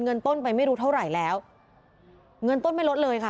เงินต้นไปไม่รู้เท่าไหร่แล้วเงินต้นไม่ลดเลยค่ะ